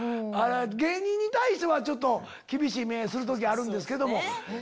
芸人に対しては厳しい目をする時あるんですけども。